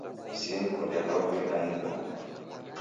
Simkunde kavui na inmoni.